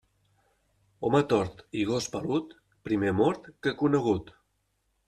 Home tort i gos pelut, primer mort que conegut.